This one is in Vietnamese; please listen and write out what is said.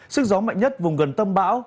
sức gió mạnh nhất vùng gần tâm bão